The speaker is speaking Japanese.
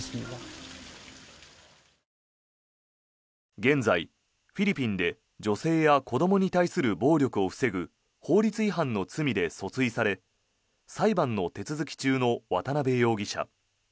現在、フィリピンで女性や子どもに対する暴力を防ぐ法律違反の罪で訴追され裁判の手続き中の渡邊容疑者。